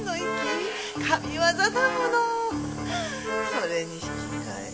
それに引き換え。